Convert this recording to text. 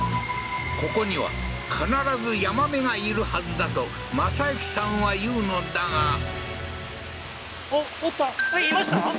ここには必ずヤマメがいるはずだと正行さんは言うのだがいました？